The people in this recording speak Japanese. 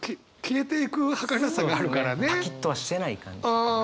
パキッとはしてない感じかな。